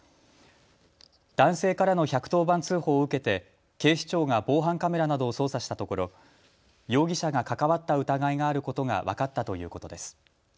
男性からの１１０番通報を受けて警視庁が防犯カメラなどを捜査したところ容疑者が関わった疑いがあることが分かったということです。